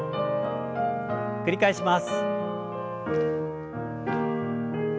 繰り返します。